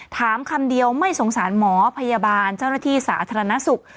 คำเดียวไม่สงสารหมอพยาบาลเจ้าหน้าที่สาธารณสุข